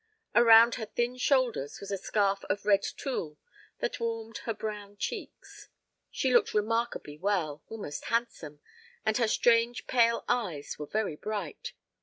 Around her thin shoulders was a scarf of red tulle that warmed her brown cheeks. She looked remarkably well, almost handsome, and her strange pale eyes were very bright.